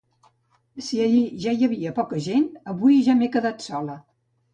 Si ahir ja hi havia poca gent avui ja m'he quedat sola